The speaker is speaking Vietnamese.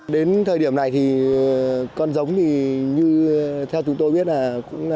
đến thời điểm này thì con giống thì như theo chúng tôi biết là cũng gọi là xong rồi